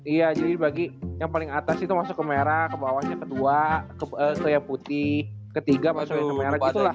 iya jadi dibagi yang paling atas itu masuk ke merah kebawahnya ke dua atau yang putih ketiga masuk ke merah gitu lah